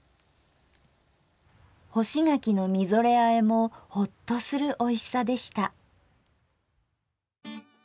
「干し柿のみぞれあえ」もホッとするおいしさでした。